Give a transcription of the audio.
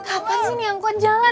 gapas ini yang kau jalan